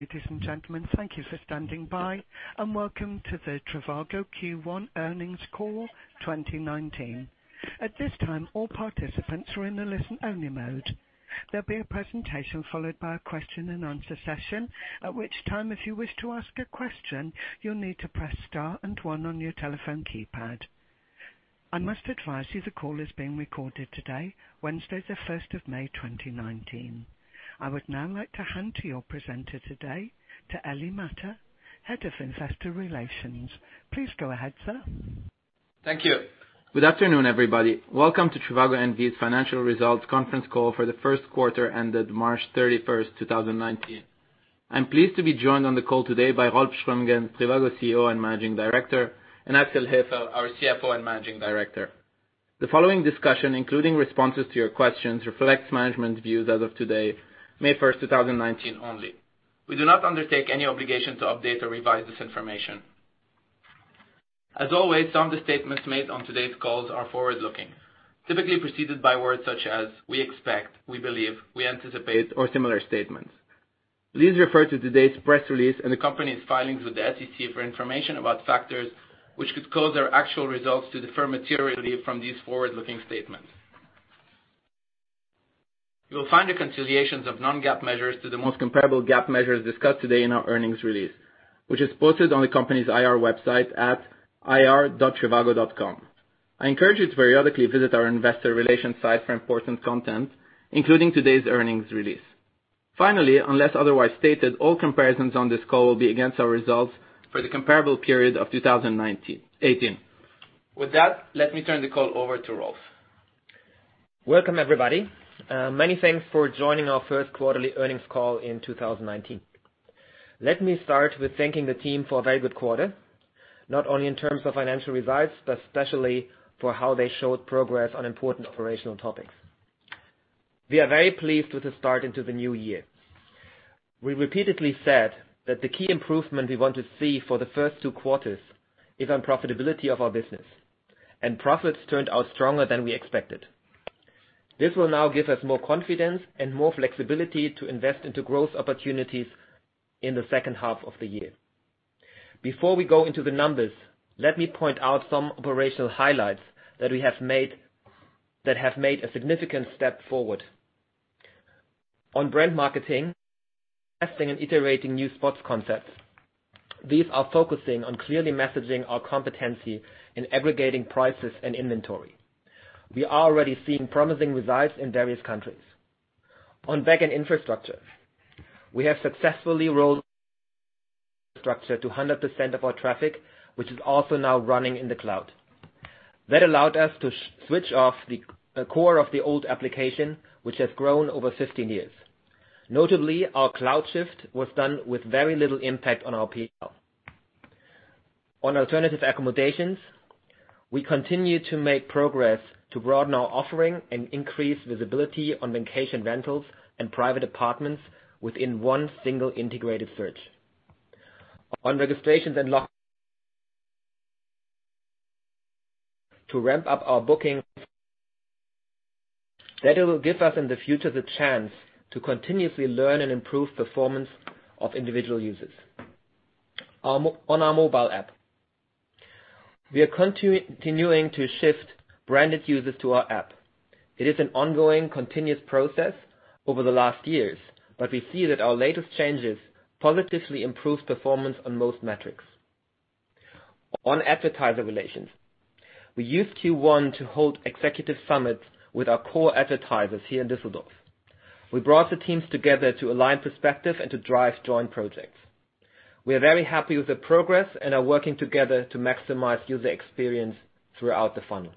Ladies and gentlemen, thank you for standing by, and welcome to the trivago Q1 earnings call 2019. At this time, all participants are in the listen-only mode. There'll be a presentation followed by a question-and-answer session, at which time, if you wish to ask a question, you'll need to press star 1 on your telephone keypad. I must advise you the call is being recorded today, Wednesday, the 1st of May 2019. I would now like to hand to your presenter today, to Elie Matta, Head of Investor Relations. Please go ahead, sir. Thank you. Good afternoon, everybody. Welcome to trivago N.V.'s Financial Results Conference Call for the first quarter ended March 31st, 2019. I'm pleased to be joined on the call today by Rolf Schrömgens, trivago CEO and Managing Director, and Axel Hefer, our CFO and Managing Director. The following discussion, including responses to your questions, reflects management views as of today, May 1st, 2019 only. We do not undertake any obligation to update or revise this information. As always, some of the statements made on today's calls are forward-looking, typically preceded by words such as we expect, we believe, we anticipate, or similar statements. Please refer to today's press release and the company's filings with the SEC for information about factors which could cause our actual results to differ materially from these forward-looking statements. You will find the reconciliations of non-GAAP measures to the most comparable GAAP measures discussed today in our earnings release, which is posted on the company's IR website at ir.trivago.com. I encourage you to periodically visit our investor relations site for important content, including today's earnings release. Finally, unless otherwise stated, all comparisons on this call will be against our results for the comparable period of 2018. With that, let me turn the call over to Rolf. Welcome, everybody. Many thanks for joining our first quarterly earnings call in 2019. Let me start with thanking the team for a very good quarter, not only in terms of financial results, but especially for how they showed progress on important operational topics. We are very pleased with the start into the new year. We repeatedly said that the key improvement we want to see for the first two quarters is on profitability of our business. Profits turned out stronger than we expected. This will now give us more confidence and more flexibility to invest into growth opportunities in the second half of the year. Before we go into the numbers, let me point out some operational highlights that have made a significant step forward. On brand marketing, investing and iterating new spots concepts. These are focusing on clearly messaging our competency in aggregating prices and inventory. We are already seeing promising results in various countries. On backend infrastructure, we have successfully rolled structure to 100% of our traffic, which is also now running in the cloud. That allowed us to switch off the core of the old application, which has grown over 15 years. Notably, our cloud shift was done with very little impact on our P&L. On alternative accommodations, we continue to make progress to broaden our offering and increase visibility on vacation rentals and private apartments within one single integrated search. On registrations and log to ramp up our booking. That will give us in the future the chance to continuously learn and improve performance of individual users. On our mobile app, we are continuing to shift branded users to our app. It is an ongoing continuous process over the last years, but we see that our latest changes positively improve performance on most metrics. On advertiser relations, we used Q1 to hold executive summits with our core advertisers here in Düsseldorf. We brought the teams together to align perspective and to drive joint projects. We are very happy with the progress and are working together to maximize user experience throughout the funnel.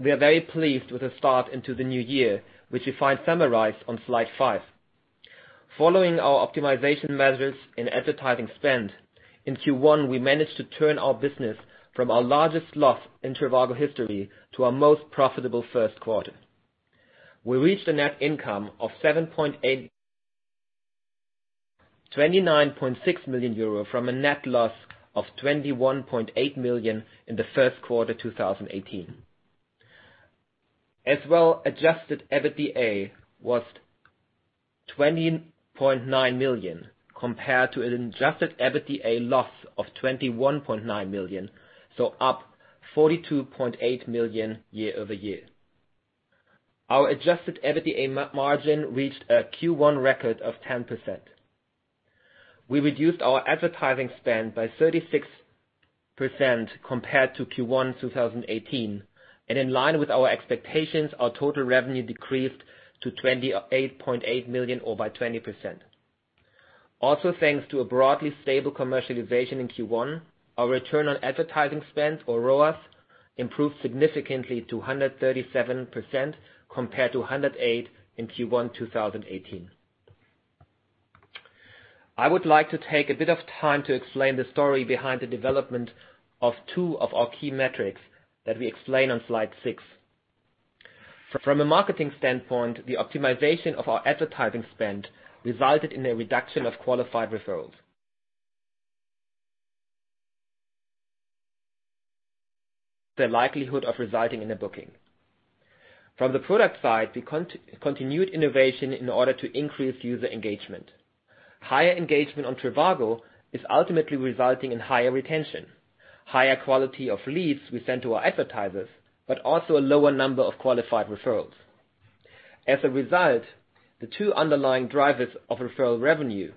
We are very pleased with the start into the new year, which you find summarized on slide five. Following our optimization measures in advertising spend, in Q1, we managed to turn our business from our largest loss in trivago history to our most profitable first quarter. We reached a net income of 29.6 million euro from a net loss of 21.8 million in the first quarter 2018. As well, adjusted EBITDA was 20.9 million, compared to an adjusted EBITDA loss of 21.9 million, so up 42.8 million year-over-year. Our adjusted EBITDA margin reached a Q1 record of 10%. We reduced our advertising spend by 36% compared to Q1 2018, and in line with our expectations, our total revenue decreased to 28.8 million or by 20%. Also, thanks to a broadly stable commercialization in Q1, our return on advertising spend or ROAS improved significantly to 137% compared to 108% in Q1 2018. I would like to take a bit of time to explain the story behind the development of two of our key metrics that we explain on slide six. From a marketing standpoint, the optimization of our advertising spend resulted in a reduction of qualified referrals. The likelihood of resulting in a booking. From the product side, we continued innovation in order to increase user engagement. Higher engagement on trivago is ultimately resulting in higher retention, higher quality of leads we send to our advertisers, but also a lower number of qualified referrals. As a result, the two underlying drivers of referral revenue,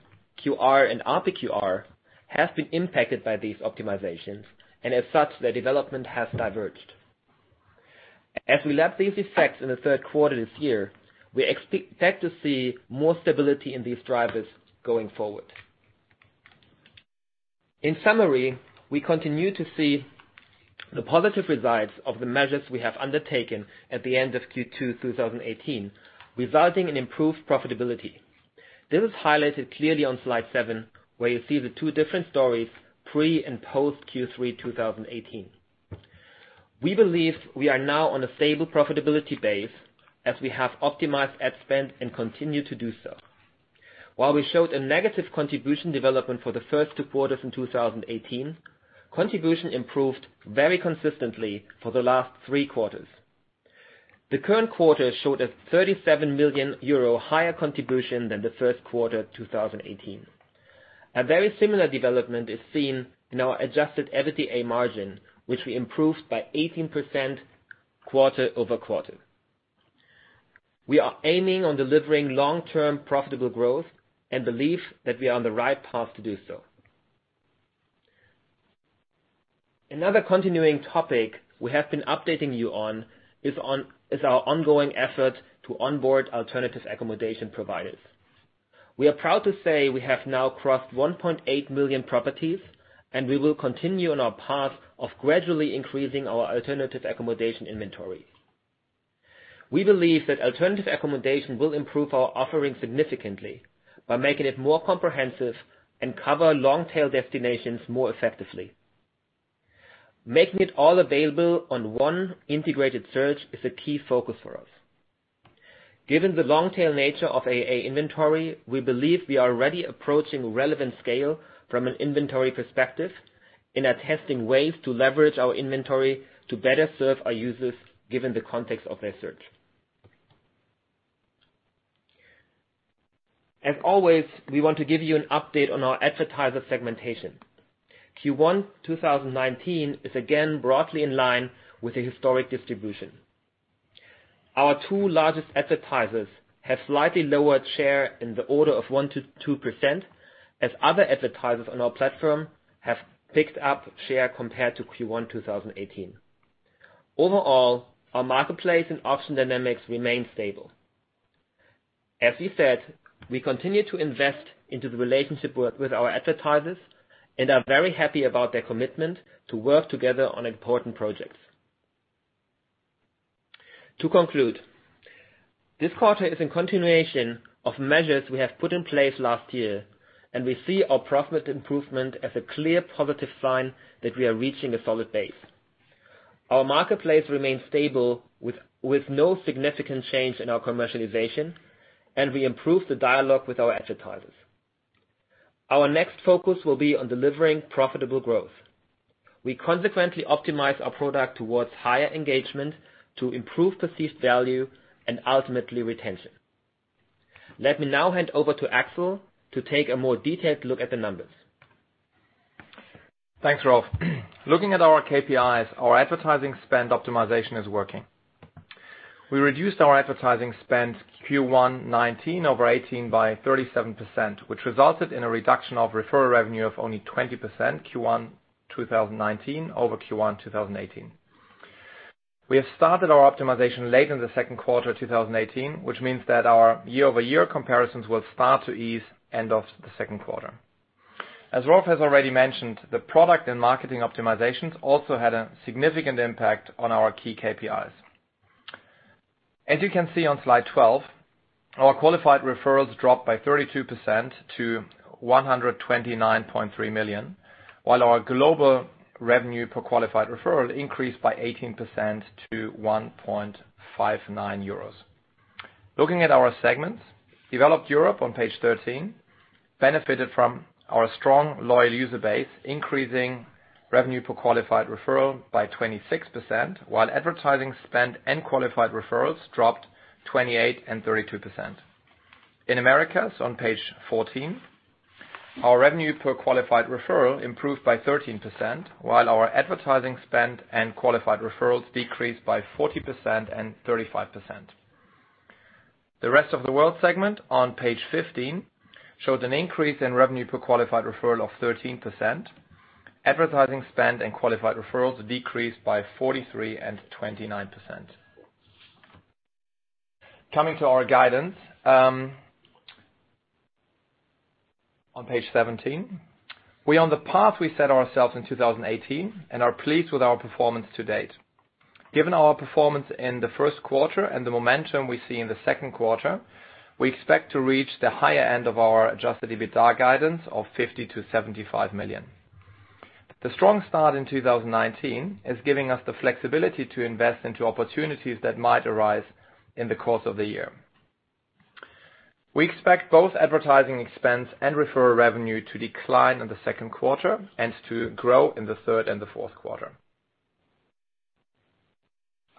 QR and RPQR, have been impacted by these optimizations, and as such, their development has diverged. As we lap these effects in the third quarter this year, we expect to see more stability in these drivers going forward. In summary, we continue to see the positive results of the measures we have undertaken at the end of Q2 2018, resulting in improved profitability. This is highlighted clearly on slide seven, where you see the two different stories, pre and post Q3 2018. We believe we are now on a stable profitability base as we have optimized ad spend and continue to do so. While we showed a negative contribution development for the first two quarters in 2018, contribution improved very consistently for the last three quarters. The current quarter showed a 37 million euro higher contribution than the first quarter 2018. A very similar development is seen in our adjusted EBITDA margin, which we improved by 18% quarter-over-quarter. We are aiming on delivering long-term profitable growth and believe that we are on the right path to do so. Another continuing topic we have been updating you on is our ongoing effort to onboard alternative accommodation providers. We are proud to say we have now crossed 1.8 million properties, and we will continue on our path of gradually increasing our alternative accommodation inventory. We believe that alternative accommodation will improve our offering significantly by making it more comprehensive and cover long-tail destinations more effectively. Making it all available on one integrated search is a key focus for us. Given the long-tail nature of AA inventory, we believe we are already approaching relevant scale from an inventory perspective and are testing ways to leverage our inventory to better serve our users, given the context of their search. As always, we want to give you an update on our advertiser segmentation. Q1 2019 is again broadly in line with the historic distribution. Our two largest advertisers have slightly lowered share in the order of 1%-2%, as other advertisers on our platform have picked up share compared to Q1 2018. Overall, our marketplace and auction dynamics remain stable. As we said, we continue to invest into the relationship with our advertisers and are very happy about their commitment to work together on important projects. To conclude, this quarter is a continuation of measures we have put in place last year, and we see our profit improvement as a clear positive sign that we are reaching a solid base. Our marketplace remains stable with no significant change in our commercialization, and we improve the dialogue with our advertisers. Our next focus will be on delivering profitable growth. We consequently optimize our product towards higher engagement to improve perceived value and ultimately retention. Let me now hand over to Axel to take a more detailed look at the numbers. Thanks, Rolf. Looking at our KPIs, our advertising spend optimization is working. We reduced our advertising spend Q1 2019 over 2018 by 37%, which resulted in a reduction of referral revenue of only 20% Q1 2019 over Q1 2018. We have started our optimization late in the second quarter 2018, which means that our year-over-year comparisons will start to ease end of the second quarter. As Rolf has already mentioned, the product and marketing optimizations also had a significant impact on our key KPIs. As you can see on slide 12, our qualified referrals dropped by 32% to 129.3 million, while our global revenue per qualified referral increased by 18% to 1.59 euros. Looking at our segments, developed Europe on page 13 benefited from our strong, loyal user base, increasing revenue per qualified referral by 26%, while advertising spend and qualified referrals dropped 28% and 32%. In Americas on page 14, our revenue per qualified referral improved by 13%, while our advertising spend and qualified referrals decreased by 40% and 35%. The rest of the world segment on page 15 showed an increase in revenue per qualified referral of 13%. Advertising spend and qualified referrals decreased by 43% and 29%. Coming to our guidance, on page 17. We're on the path we set ourselves in 2018 and are pleased with our performance to date. Given our performance in the first quarter and the momentum we see in the second quarter, we expect to reach the higher end of our adjusted EBITDA guidance of 50 million-75 million. The strong start in 2019 is giving us the flexibility to invest into opportunities that might arise in the course of the year We expect both advertising expense and referral revenue to decline in the second quarter and to grow in the third and the fourth quarter.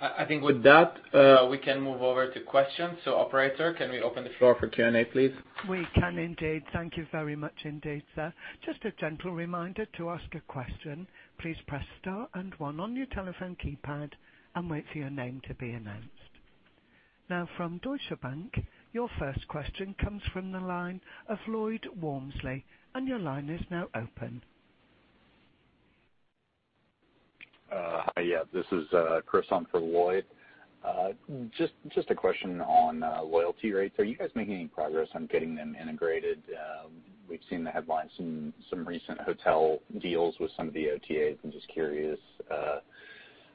I think with that, we can move over to questions. Operator, can we open the floor for Q&A, please? We can indeed. Thank you very much indeed, sir. Just a gentle reminder to ask a question, please press star and one on your telephone keypad and wait for your name to be announced. Now from Deutsche Bank, your first question comes from the line of Lloyd Walmsley, and your line is now open. Hi. Yeah, this is Chris on for Lloyd. Just a question on loyalty rates. Are you guys making any progress on getting them integrated? We've seen the headlines, some recent hotel deals with some of the OTAs. I'm just curious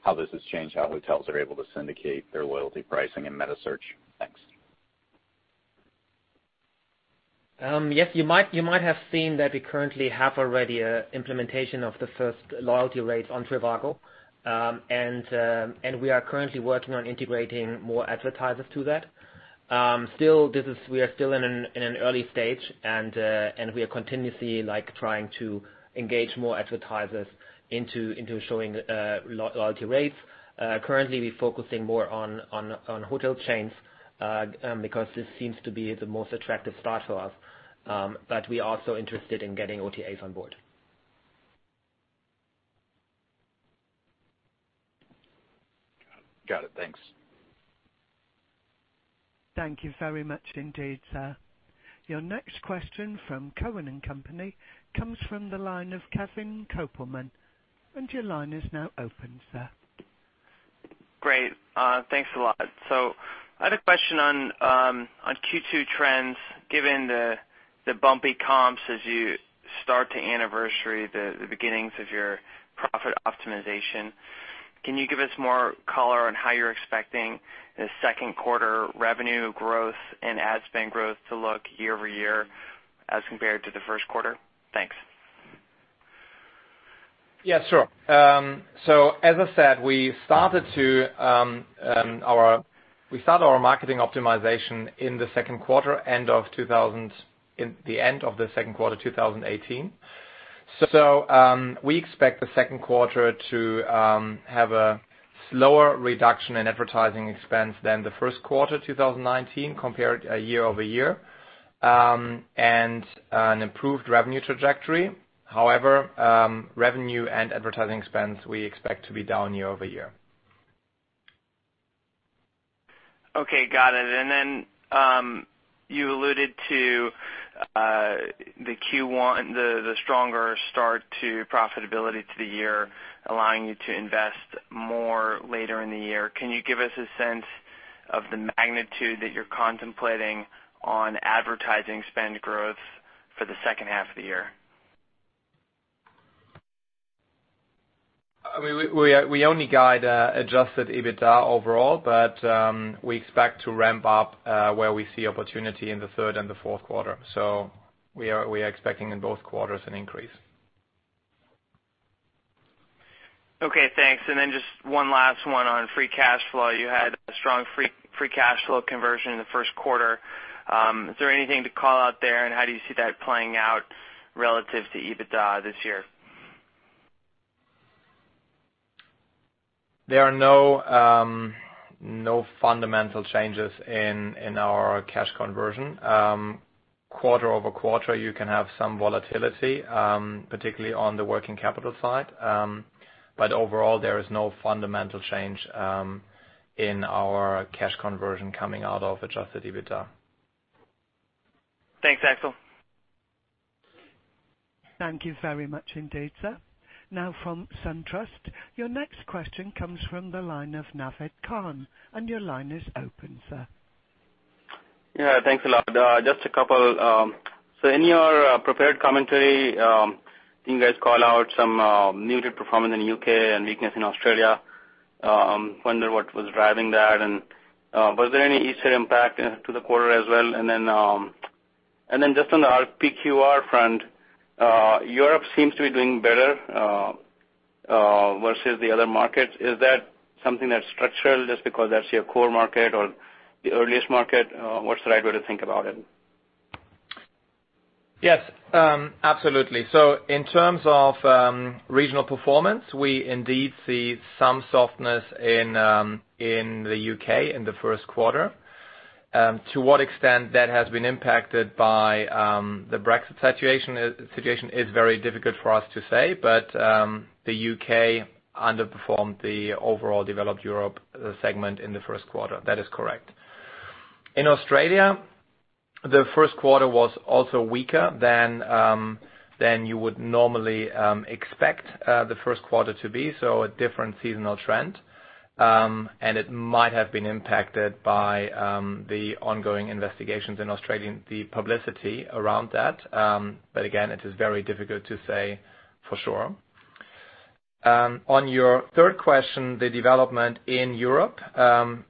how this has changed, how hotels are able to syndicate their loyalty pricing and meta search. Thanks. Yes, you might have seen that we currently have already implementation of the first loyalty rates on trivago. We are currently working on integrating more advertisers to that. We are still in an early stage. We are continuously trying to engage more advertisers into showing loyalty rates. Currently, we're focusing more on hotel chains, because this seems to be the most attractive start for us. We are also interested in getting OTAs on board. Got it. Thanks. Thank you very much indeed, sir. Your next question from Cowen and Company comes from the line of Kevin Kopelman. Your line is now open, sir. Great. Thanks a lot. I had a question on Q2 trends, given the bumpy comps as you start to anniversary the beginnings of your profit optimization. Can you give us more color on how you're expecting the second quarter revenue growth and ad spend growth to look year-over-year as compared to the first quarter? Thanks. Yeah, sure. As I said, we started our marketing optimization in the end of the second quarter 2018. We expect the second quarter to have a slower reduction in advertising expense than the first quarter 2019 compared year-over-year, and an improved revenue trajectory. However, revenue and advertising expense, we expect to be down year-over-year. Okay, got it. You alluded to the stronger start to profitability to the year, allowing you to invest more later in the year. Can you give us a sense of the magnitude that you're contemplating on advertising spend growth for the second half of the year? We only guide adjusted EBITDA overall, but we expect to ramp up where we see opportunity in the third and the fourth quarter. We are expecting in both quarters an increase. Okay, thanks. Just one last one on free cash flow. You had a strong free cash flow conversion in the first quarter. Is there anything to call out there, and how do you see that playing out relative to EBITDA this year? There are no fundamental changes in our cash conversion. Quarter-over-quarter, you can have some volatility, particularly on the working capital side. Overall, there is no fundamental change in our cash conversion coming out of adjusted EBITDA. Thanks, Axel. Thank you very much indeed, sir. From SunTrust, your next question comes from the line of Naved Khan, your line is open, sir. Thanks a lot. Just a couple. In your prepared commentary, you guys call out some muted performance in the U.K. and weakness in Australia. Wonder what was driving that, and was there any Easter impact to the quarter as well? Then just on the RPQR front, Europe seems to be doing better versus the other markets. Is that something that's structural just because that's your core market or the earliest market? What's the right way to think about it? Yes. Absolutely. In terms of regional performance, we indeed see some softness in the U.K. in the first quarter. To what extent that has been impacted by the Brexit situation is very difficult for us to say. The U.K. underperformed the overall developed Europe segment in the first quarter. That is correct. In Australia, the first quarter was also weaker than you would normally expect the first quarter to be, so a different seasonal trend. It might have been impacted by the ongoing investigations in Australia and the publicity around that. Again, it is very difficult to say for sure. On your third question, the development in Europe.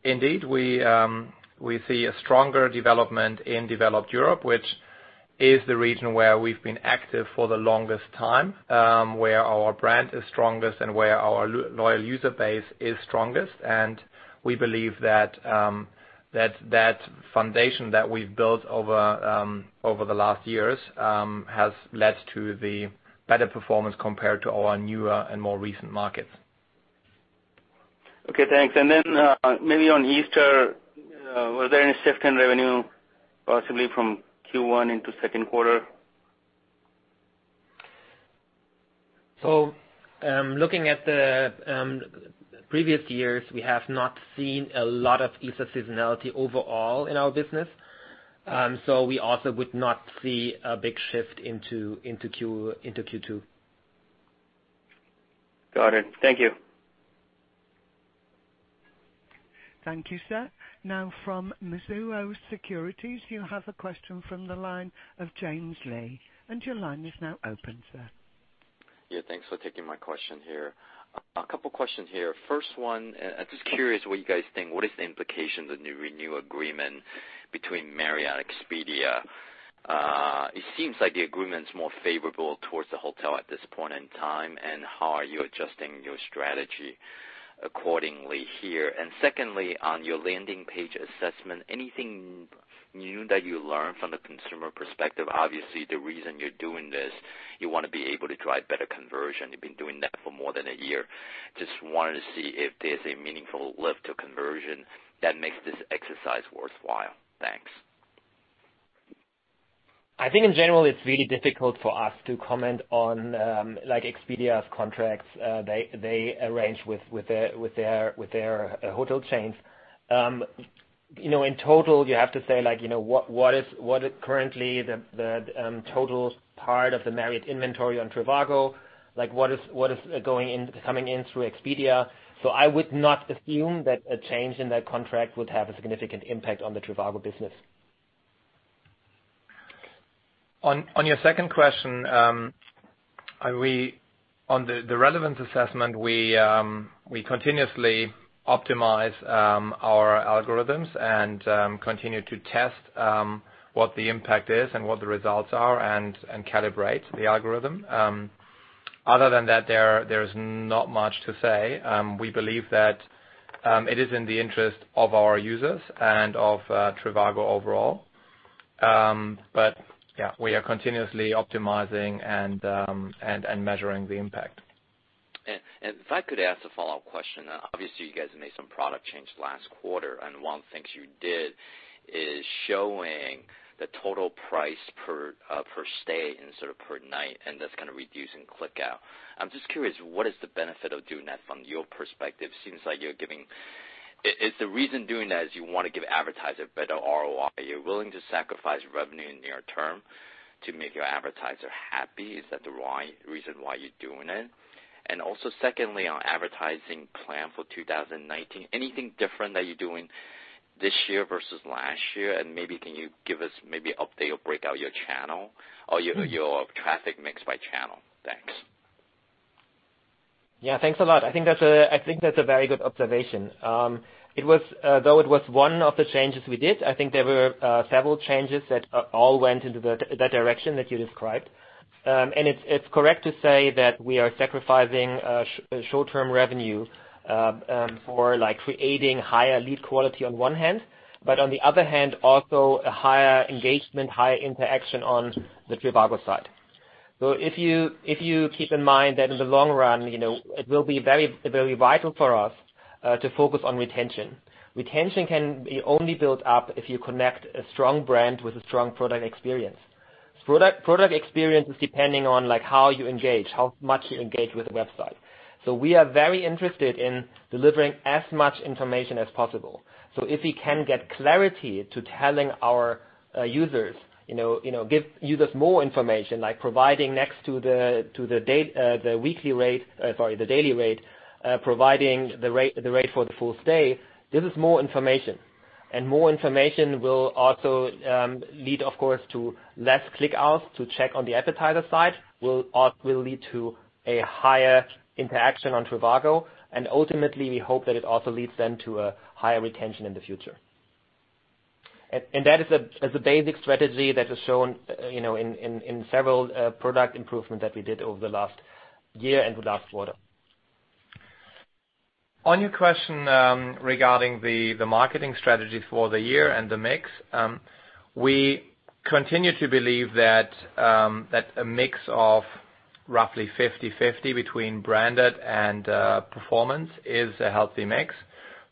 Indeed, we see a stronger development in developed Europe, which is the region where we've been active for the longest time, where our brand is strongest, and where our loyal user base is strongest. We believe that foundation that we've built over the last years has led to the better performance compared to our newer and more recent markets. Okay, thanks. Then, maybe on Easter, was there any shift in revenue, possibly from Q1 into second quarter? Looking at the previous years, we have not seen a lot of Easter seasonality overall in our business. We also would not see a big shift into Q2. Got it. Thank you. Thank you, sir. From Mizuho Securities, you have a question from the line of James Lee. Your line is now open, sir. Thanks for taking my question here. A couple questions here. First one, I'm just curious what you guys think, what is the implication of the new renew agreement between Marriott, Expedia? It seems like the agreement's more favorable towards the hotel at this point in time, and how are you adjusting your strategy accordingly here? Secondly, on your landing page assessment, anything new that you learned from the consumer perspective? Obviously, the reason you're doing this, you want to be able to drive better conversion. You've been doing that for more than a year. Just wanted to see if there's a meaningful lift to conversion that makes this exercise worthwhile. Thanks. I think in general, it's really difficult for us to comment on Expedia's contracts they arrange with their hotel chains. In total, you have to say, what is currently the total part of the Marriott inventory on trivago? What is coming in through Expedia? I would not assume that a change in that contract would have a significant impact on the trivago business. On your second question, on the relevance assessment, we continuously optimize our algorithms and continue to test what the impact is and what the results are and calibrate the algorithm. Other than that, there's not much to say. We believe that it is in the interest of our users and of trivago overall. Yeah, we are continuously optimizing and measuring the impact. If I could ask a follow-up question. Obviously, you guys have made some product changes last quarter, one of the things you did is showing the total price per stay instead of per night, that's kind of reducing click out. I'm just curious, what is the benefit of doing that from your perspective? Is the reason doing that is you want to give advertisers better ROI? Are you willing to sacrifice revenue in near term to make your advertiser happy? Is that the reason why you're doing it? Also, secondly, on advertising plan for 2019, anything different that you're doing this year versus last year? Maybe can you give us maybe update or break out your channel or your traffic mix by channel? Thanks. Yeah, thanks a lot. I think that's a very good observation. Though it was one of the changes we did, I think there were several changes that all went into that direction that you described. It's correct to say that we are sacrificing short-term revenue for creating higher lead quality on one hand, but on the other hand, also a higher engagement, higher interaction on the trivago side. If you keep in mind that in the long run, it will be very vital for us to focus on retention. Retention can be only built up if you connect a strong brand with a strong product experience. Product experience is depending on how you engage, how much you engage with the website. We are very interested in delivering as much information as possible. if we can get clarity to telling our users, give users more information, like providing next to the weekly rate, sorry, the daily rate, providing the rate for the full stay, this is more information. More information will also lead, of course, to less click outs to check on the advertiser side, will lead to a higher interaction on trivago, and ultimately, we hope that it also leads then to a higher retention in the future. That is a basic strategy that is shown in several product improvement that we did over the last year and the last quarter. On your question regarding the marketing strategy for the year and the mix. We continue to believe that a mix of roughly 50/50 between branded and performance is a healthy mix.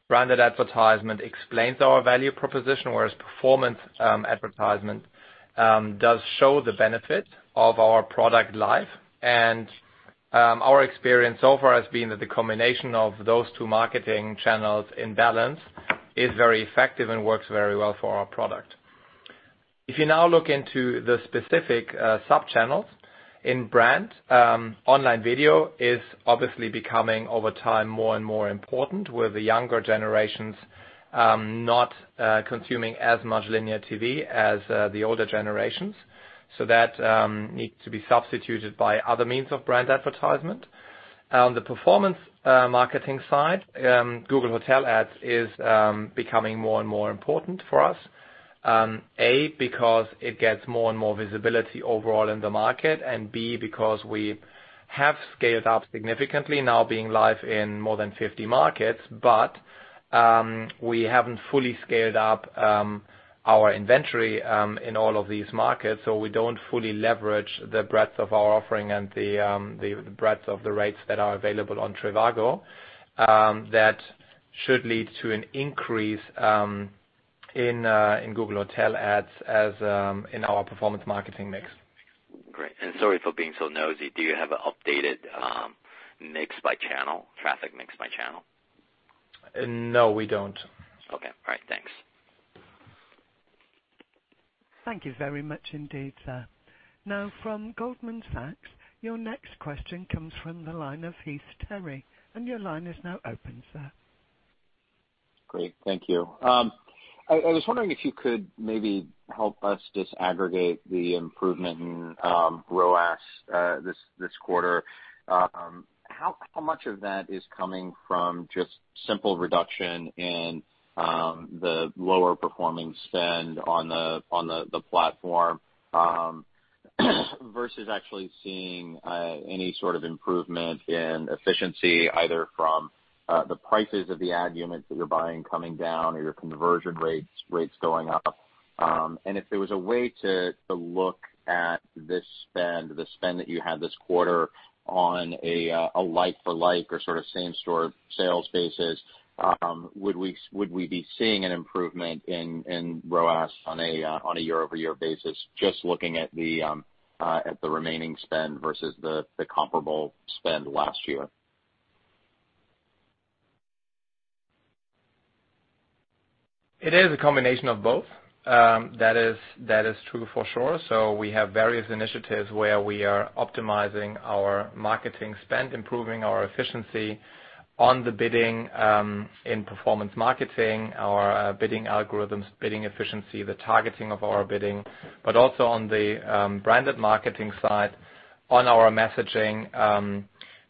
Branded advertisement explains our value proposition, whereas performance advertisement does show the benefit of our product live. Our experience so far has been that the combination of those two marketing channels in balance is very effective and works very well for our product. If you now look into the specific sub-channels in brand, online video is obviously becoming, over time, more and more important, with the younger generations not consuming as much linear TV as the older generations. That needs to be substituted by other means of brand advertisement. On the performance marketing side, Google Hotel Ads is becoming more and more important for us. A, because it gets more and more visibility overall in the market, and B, because we have scaled up significantly now being live in more than 50 markets. We haven't fully scaled up our inventory in all of these markets, so we don't fully leverage the breadth of our offering and the breadth of the rates that are available on trivago. That should lead to an increase in Google Hotel Ads as in our performance marketing mix. Great. Sorry for being so nosy. Do you have an updated mix by channel, traffic mix by channel? No, we don't. Okay. All right. Thanks. Thank you very much indeed, sir. From Goldman Sachs, your next question comes from the line of Heath Terry, and your line is now open, sir. Great. Thank you. I was wondering if you could maybe help us disaggregate the improvement in ROAS this quarter. How much of that is coming from just simple reduction in the lower performing spend on the platform versus actually seeing any sort of improvement in efficiency, either from the prices of the ad units that you're buying coming down or your conversion rates going up? If there was a way to look at this spend, the spend that you had this quarter on a like for like or sort of same store sales basis, would we be seeing an improvement in ROAS on a year-over-year basis, just looking at the remaining spend versus the comparable spend last year? It is a combination of both. That is true for sure. We have various initiatives where we are optimizing our marketing spend, improving our efficiency on the bidding, in performance marketing, our bidding algorithms, bidding efficiency, the targeting of our bidding. Also on the branded marketing side on our messaging,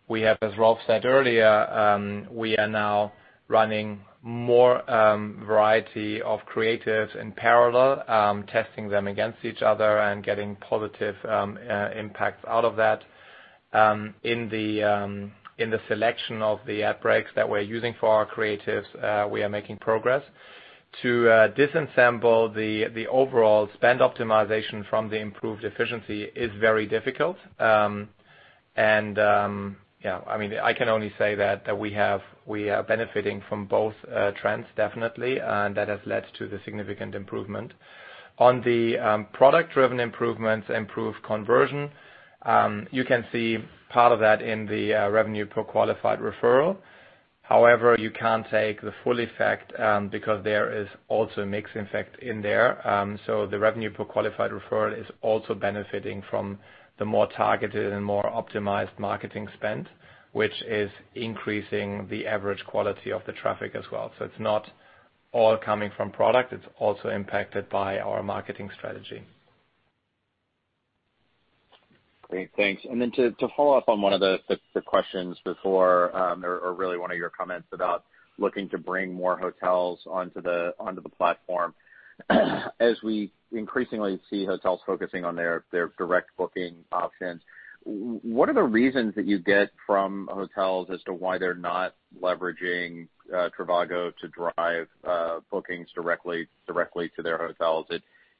we have, as Rolf said earlier, we are now running more variety of creatives in parallel, testing them against each other and getting positive impacts out of that. In the selection of the ad breaks that we're using for our creatives, we are making progress. To dissemble the overall spend optimization from the improved efficiency is very difficult. I can only say that we are benefiting from both trends definitely, and that has led to the significant improvement. On the product-driven improvements, improved conversion, you can see part of that in the revenue per qualified referral. However, you can't take the full effect, because there is also a mix effect in there. The revenue per qualified referral is also benefiting from the more targeted and more optimized marketing spend, which is increasing the average quality of the traffic as well. It's not all coming from product, it's also impacted by our marketing strategy. Great. Thanks. To follow up on one of the questions before, or really one of your comments about looking to bring more hotels onto the platform. As we increasingly see hotels focusing on their direct booking options, what are the reasons that you get from hotels as to why they're not leveraging trivago to drive bookings directly to their hotels?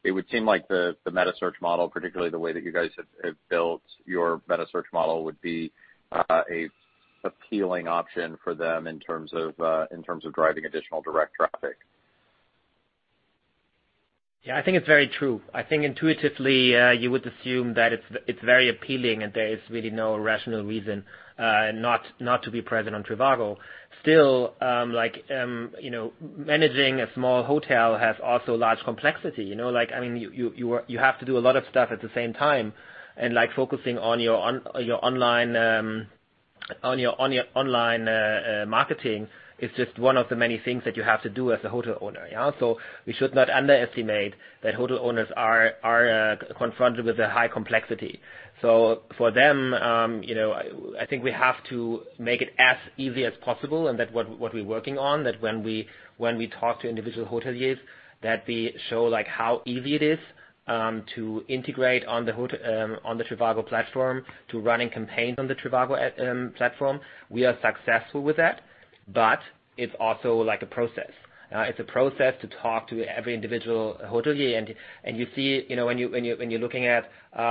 It would seem like the metasearch model, particularly the way that you guys have built your metasearch model, would be an appealing option for them in terms of driving additional direct traffic. I think it's very true. I think intuitively, you would assume that it's very appealing and there is really no rational reason not to be present on trivago. Still, managing a small hotel has also large complexity. You have to do a lot of stuff at the same time, and focusing on your online marketing is just one of the many things that you have to do as a hotel owner. We should not underestimate that hotel owners are confronted with a high complexity. For them, I think we have to make it as easy as possible, and that's what we're working on. That when we talk to individual hoteliers, that we show how easy it is to integrate on the trivago platform, to running campaigns on the trivago platform. We are successful with that, but it's also a process. It's a process to talk to every individual hotelier. When you're looking at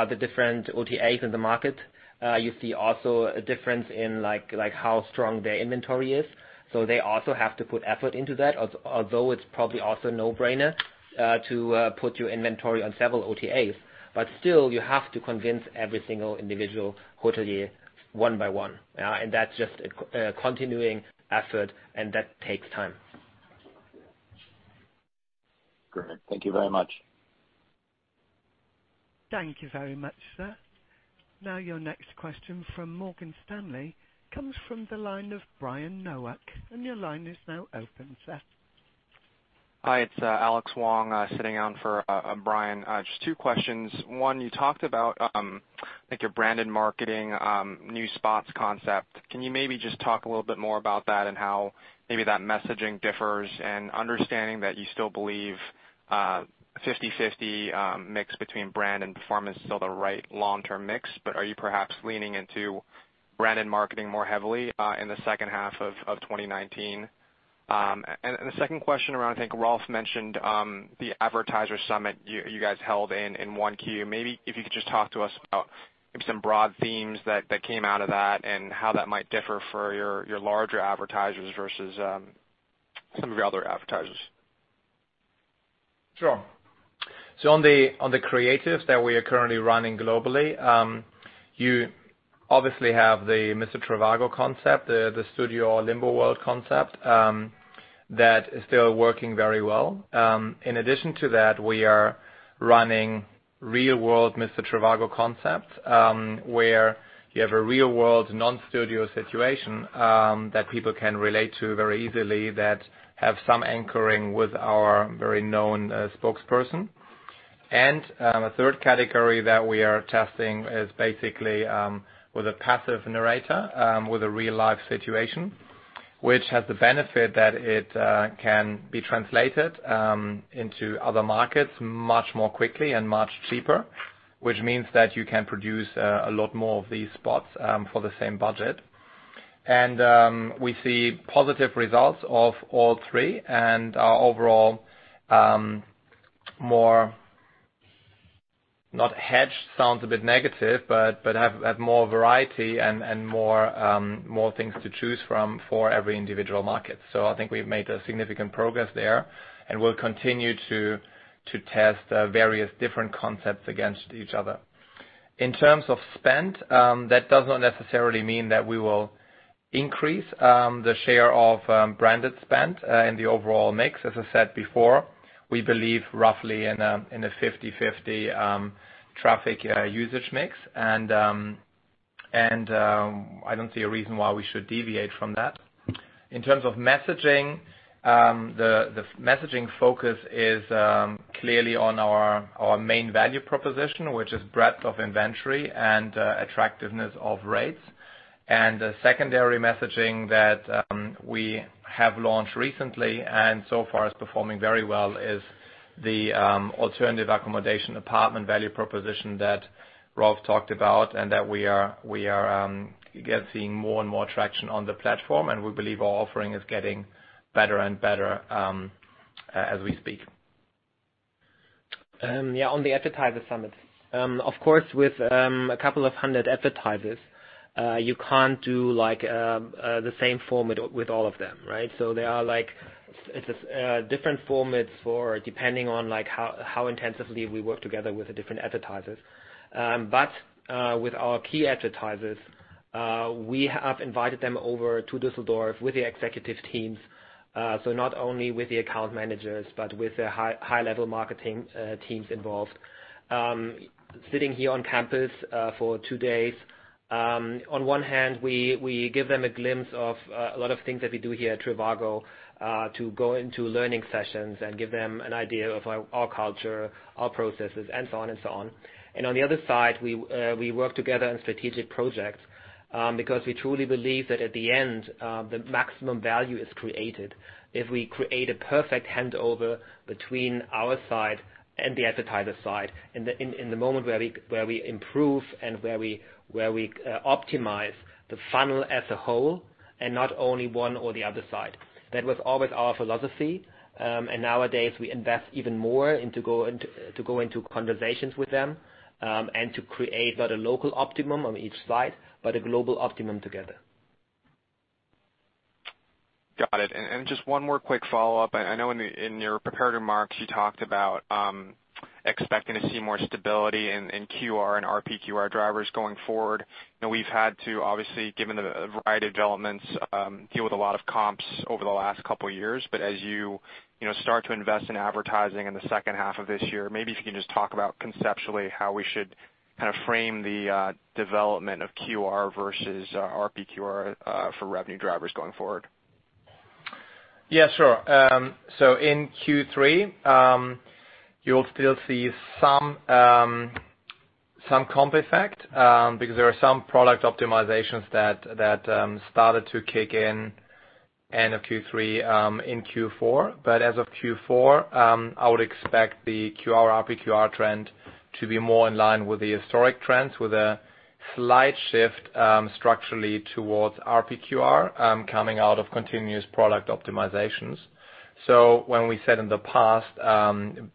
the different OTAs in the market, you see also a difference in how strong their inventory is. They also have to put effort into that, although it's probably also no-brainer, to put your inventory on several OTAs. Still, you have to convince every single individual hotelier one by one. That's just a continuing effort and that takes time. Great. Thank you very much. Thank you very much, sir. Your next question from Morgan Stanley comes from the line of Brian Nowak, and your line is now open, sir. Hi, it's Alex Wong sitting in for Brian. Just two questions. One, you talked about your branded marketing new spots concept. Can you maybe just talk a little bit more about that and how maybe that messaging differs and understanding that you still believe 50/50 mix between brand and performance is still the right long-term mix, but are you perhaps leaning into branded marketing more heavily in the second half of 2019? The second question around, I think Rolf mentioned, the advertiser summit you guys held in 1Q. Maybe if you could just talk to us about maybe some broad themes that came out of that and how that might differ for your larger advertisers versus some of your other advertisers. On the creatives that we are currently running globally, you obviously have the Mr. Trivago concept, the studio/limbo world concept, that is still working very well. In addition to that, we are running real-world Mr. Trivago concepts, where you have a real-world non-studio situation that people can relate to very easily that have some anchoring with our very known spokesperson. A third category that we are testing is basically with a passive narrator with a real-life situation, which has the benefit that it can be translated into other markets much more quickly and much cheaper, which means that you can produce a lot more of these spots for the same budget. We see positive results of all three and are overall more, not hedged sounds a bit negative, but have more variety and more things to choose from for every individual market. I think we've made a significant progress there, and we'll continue to test various different concepts against each other. In terms of spend, that does not necessarily mean that we will increase the share of branded spend in the overall mix. As I said before, we believe roughly in a 50/50 traffic usage mix. I don't see a reason why we should deviate from that. In terms of messaging, the messaging focus is clearly on our main value proposition, which is breadth of inventory and attractiveness of rates. The secondary messaging that we have launched recently and so far is performing very well is the alternative accommodation apartment value proposition that Rolf talked about and that we are seeing more and more traction on the platform, and we believe our offering is getting better and better as we speak. On the advertiser summit. Of course, with a couple of hundred advertisers, you can't do the same format with all of them, right? There are different formats depending on how intensively we work together with the different advertisers. With our key advertisers, we have invited them over to Düsseldorf with the executive teams. Not only with the account managers, but with the high-level marketing teams involved. Sitting here on campus for 2 days, on one hand, we give them a glimpse of a lot of things that we do here at trivago to go into learning sessions and give them an idea of our culture, our processes, and so on. On the other side, we work together on strategic projects, because we truly believe that at the end, the maximum value is created if we create a perfect handover between our side and the advertiser side in the moment where we improve and where we optimize the funnel as a whole, and not only one or the other side. That was always our philosophy, and nowadays we invest even more to go into conversations with them, and to create not a local optimum on each side, but a global optimum together. Got it. Just one more quick follow-up. I know in your prepared remarks, you talked about expecting to see more stability in QR and RPQR drivers going forward. I know we've had to obviously, given the variety of developments, deal with a lot of comps over the last couple of years. As you start to invest in advertising in the second half of this year, maybe if you can just talk about conceptually how we should frame the development of QR versus RPQR for revenue drivers going forward. Yeah, sure. In Q3, you'll still see some comp effect, because there are some product optimizations that started to kick in end of Q3, in Q4. As of Q4, I would expect the QR/RPQR trend to be more in line with the historic trends with a slight shift structurally towards RPQR, coming out of continuous product optimizations. When we said in the past,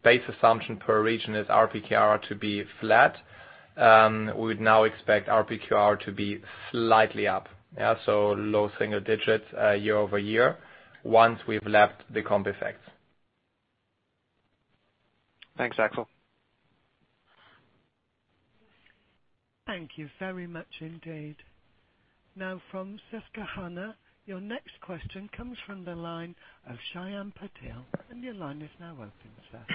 base assumption per region is RPQR to be flat, we would now expect RPQR to be slightly up. Low single digits year-over-year once we've left the comp effects. Thanks, Axel. Thank you very much indeed. From Susquehanna, your next question comes from the line of Shyam Patel, and your line is now open, sir.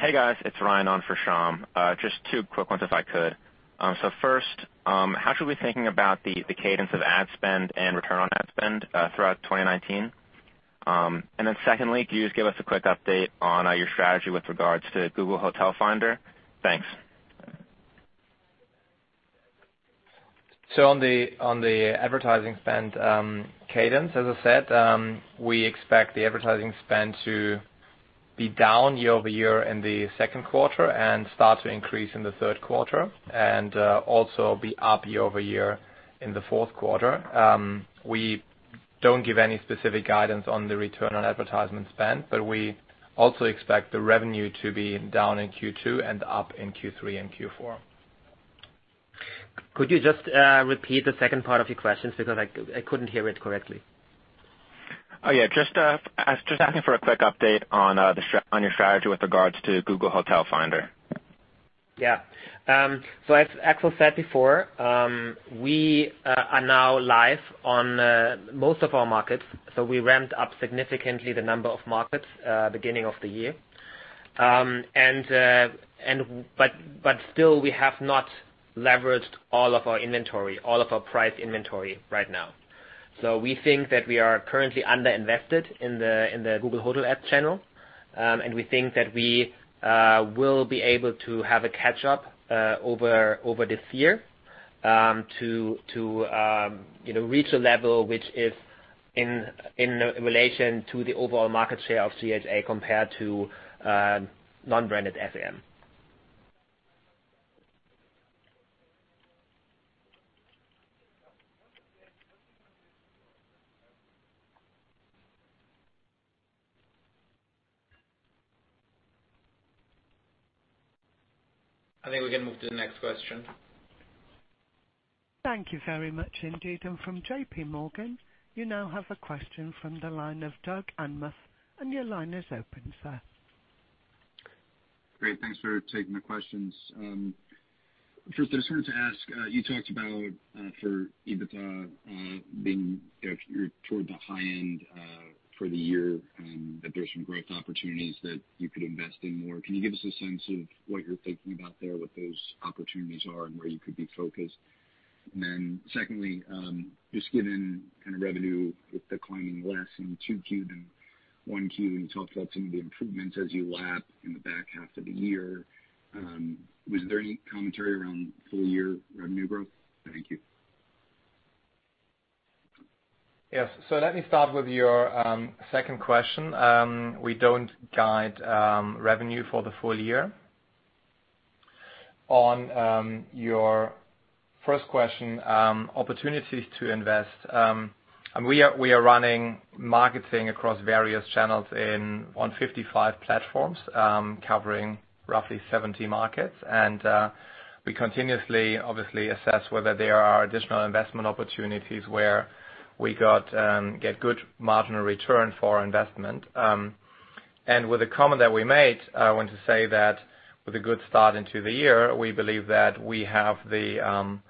Hey guys, it's Ryan on for Shyam. Just two quick ones if I could. First, how should we be thinking about the cadence of ad spend and return on ad spend throughout 2019? Secondly, can you just give us a quick update on your strategy with regards to Google Hotel Ads? Thanks. On the advertising spend cadence, as I said, we expect the advertising spend to be down year-over-year in the second quarter and start to increase in the third quarter, and also be up year-over-year in the fourth quarter. We don't give any specific guidance on the return on advertisement spend, we also expect the revenue to be down in Q2 and up in Q3 and Q4. Could you just repeat the second part of your question because I couldn't hear it correctly. Oh, yeah. Just asking for a quick update on your strategy with regards to Google Hotel Ads. As Axel said before, we are now live on most of our markets. We ramped up significantly the number of markets beginning of the year. Still, we have not leveraged all of our price inventory right now. We think that we are currently under-invested in the Google Hotel Ads channel, and we think that we will be able to have a catch-up over this year to reach a level which is in relation to the overall market share of GHA compared to non-branded SEM. I think we can move to the next question. Thank you very much indeed. From J.P. Morgan, you now have a question from the line of Douglas Anmuth, your line is open, sir. Great. Thanks for taking the questions. First, I just wanted to ask, you talked about for EBITDA being toward the high end for the year, that there's some growth opportunities that you could invest in more. Can you give us a sense of what you're thinking about there, what those opportunities are, and where you could be focused? Then secondly, just given revenue with declining less in Q2 and Q1, you talked about some of the improvements as you lap in the back half of the year. Was there any commentary around full-year revenue growth? Thank you. Yes. Let me start with your second question. We don't guide revenue for the full year. On your first question, opportunities to invest. We are running marketing across various channels on 55 platforms, covering roughly 70 markets. We continuously, obviously assess whether there are additional investment opportunities where we get good marginal return for our investment. With the comment that we made, I want to say that with a good start into the year, we believe that we have the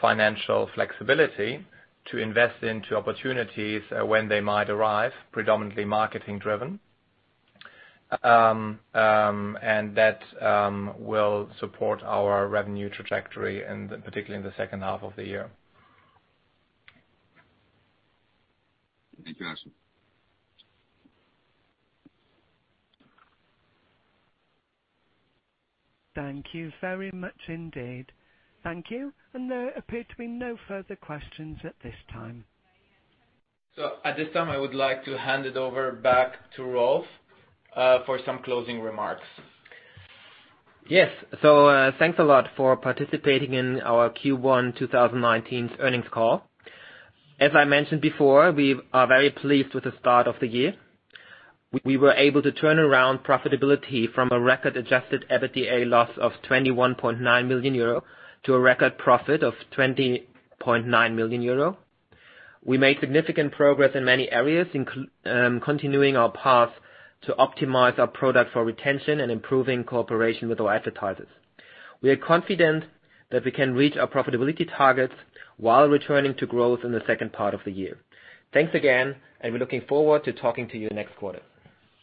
financial flexibility to invest into opportunities when they might arise, predominantly marketing driven. That will support our revenue trajectory, particularly in the second half of the year. Thank you, Axel. Thank you very much indeed. Thank you. There appear to be no further questions at this time. At this time, I would like to hand it over back to Rolf for some closing remarks. Yes. Thanks a lot for participating in our Q1 2019 earnings call. As I mentioned before, we are very pleased with the start of the year. We were able to turn around profitability from a record-adjusted EBITDA loss of 21.9 million euro to a record profit of 20.9 million euro. We made significant progress in many areas, continuing our path to optimize our product for retention and improving cooperation with our advertisers. We are confident that we can reach our profitability targets while returning to growth in the second part of the year. Thanks again. We're looking forward to talking to you next quarter.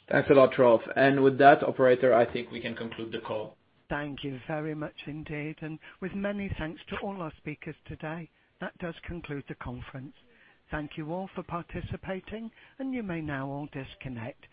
Thanks a lot, Rolf. With that operator, I think we can conclude the call. Thank you very much indeed. With many thanks to all our speakers today, that does conclude the conference. Thank you all for participating. You may now all disconnect.